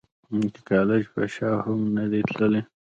چې د کالج پۀ شا هم نۀ دي تلي -